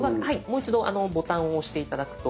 もう一度ボタンを押して頂くと。